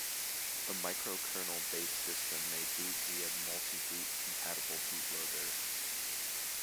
A microkernel-based system may boot via multiboot compatible boot loader.